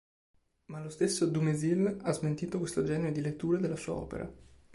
Ma lo stesso Dumézil ha smentito questo genere di letture della sua opera.